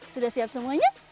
sudah siap semuanya